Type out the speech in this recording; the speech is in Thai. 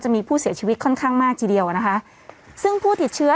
มีผู้เสียชีวิตค่อนข้างมากทีเดียวอ่ะนะคะซึ่งผู้ติดเชื้อ